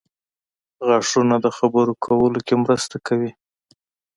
• غاښونه د خبرو کولو کې مرسته کوي.